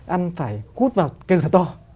ăn phải hút vào kêu thật to